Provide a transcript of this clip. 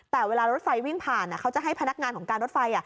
แต่เวลารถไฟวิ่งผ่านเขาจะให้พนักงานของการรถไฟ